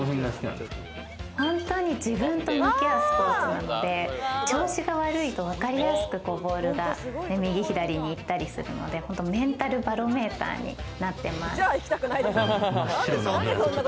ほんとに自分と向き合うスポーツなんで、調子が悪いとわかりやすくボールが右左に行ったりするのでメンタルバロメーターになってます。